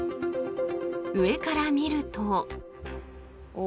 上から見ると。